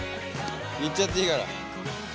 いっちゃっていいから。